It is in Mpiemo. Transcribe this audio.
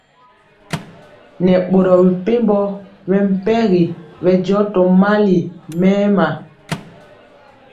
Nɛ boro mepempɔ mɛmpegi bɛndiɔ tó mali mɛma.